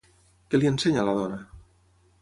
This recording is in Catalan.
Què li ensenya a la dona?